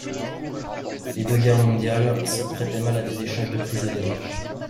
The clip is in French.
Les deux guerres mondiales se prêtaient mal à des échanges de prisonniers.